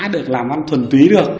được làm văn thuần túy được